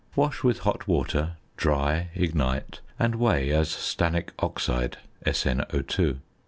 Wash with hot water, dry, ignite, and weigh as stannic oxide, SnO_.